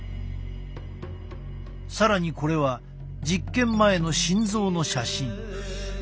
更にこれは実験前の心臓の写真。